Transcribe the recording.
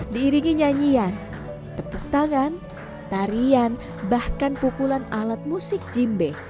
diiringi nyanyian tepuk tangan tarian bahkan pukulan alat musik jimbe